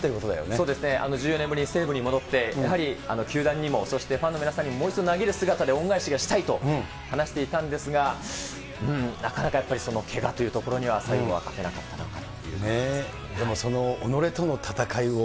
そうですね、１４年ぶりに西武に戻って、やはり球団にも、そしてファンの皆さんにも、もう一度投げる姿で恩返しがしたいと話していたんですが、なかなかやっぱりけがというところには最後は勝てなかったのかな